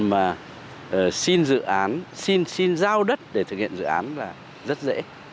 mà xin dự án xin giao đất để thực hiện dự án là rất dễ